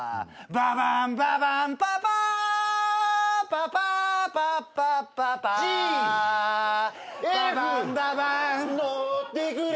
「ババンババンパパー」Ｇ！